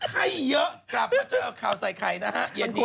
ให้เยอะกรับมาเจอศ์ขาวไถ่ไข่นะฮะ